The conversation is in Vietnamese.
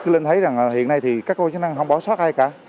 lên thấy rằng hiện nay thì các cơ quan chức năng không bỏ sót ai cả